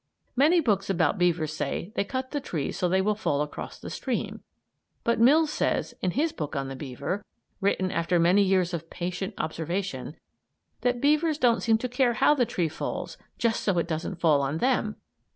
Many books about beavers say they cut the trees so they will fall across the stream, but Mills says, in his book on the beaver, written after many years of patient observation, that beavers don't seem to care how the tree falls, just so it doesn't fall on them!